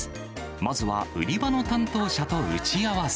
まずは売り場の担当者と打ち合わせ。